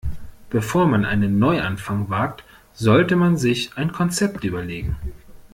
Bevor man einen Neuanfang wagt, sollte man sich ein Konzept überlegen.